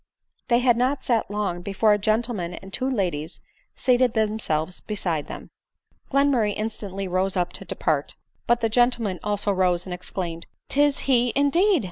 They had not sat long before a gentleman and two ladies seat ed themselves beside them. Glenmurray instantly rose up to depart ; but the gen tleman also rose and exclaimed, " 'Tis he indeed